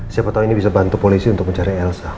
siapa tahu ini bisa bantu polisi untuk mencari elsa